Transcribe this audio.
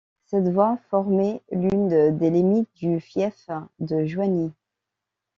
Cette voie formait l'une des limite du fief de Joigny.